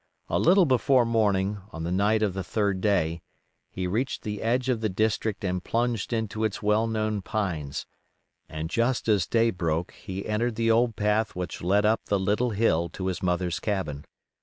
A little before morning, on the night of the third day, he reached the edge of the district and plunged into its well known pines, and just as day broke he entered the old path which led up the little hill to his mother's cabin.